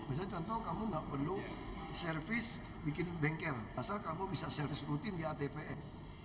misalnya contoh kamu nggak perlu servis bikin bengkel asal kamu bisa servis rutin di atpn